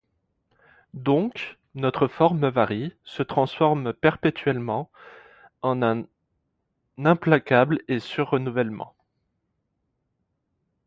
Donc, notre forme varie, se transforme perpétuellement en un implacable et sûr renouvellement.